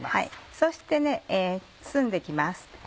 そして包んで行きます。